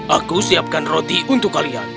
aku siapkan roti untuk kalian